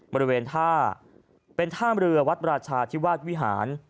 บริเวณท่าเป็นท่ามเรือวัดราชาธิวาสวิหาร